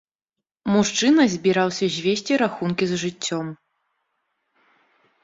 Мужчына збіраўся звесці рахункі з жыццём.